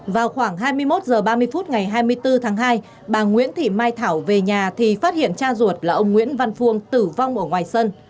vào khoảng hai mươi một h ba mươi phút ngày hai mươi bốn tháng hai bà nguyễn thị mai thảo về nhà thì phát hiện cha ruột là ông nguyễn văn phương tử vong ở ngoài sân